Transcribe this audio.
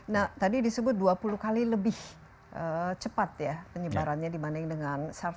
nah tadi disebut dua puluh kali lebih cepat ya penyebarannya dibanding dengan sars